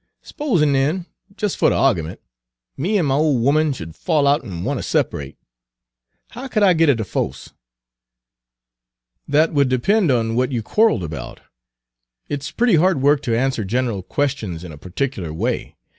"S'pos'n', den, jes' fer de argyment, me an' my ole 'omen sh'd fall out en wanter separate, how could I git a defoce?" "That would depend on what you quarreled about. It's pretty hard work to answer general questions in a particular way.